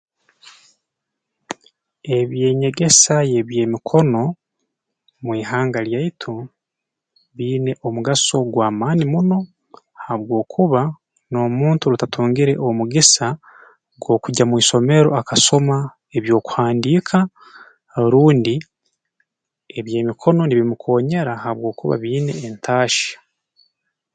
Eby'enyegesa y'eby'emikono mu ihanga lyaitu biiine omugaso ogw'amaani muno habwokuba n'omuntu orutatungire omugisa gw'okugya mu isomero akasoma eby'okuhandiika rundi eby'emikono nibimukoonyera habwokuba biine entaahya